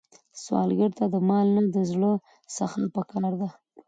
سوالګر ته د مال نه، د زړه سخا پکار ده